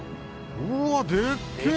うわでっけえ！